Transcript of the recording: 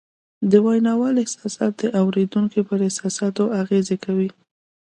د ویناوال احساسات د اورېدونکي پر احساساتو اغېز کوي